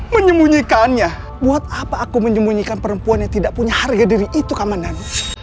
menyembunyikannya buat apa aku menyembunyikan perempuan yang tidak punya harga diri itu keamanan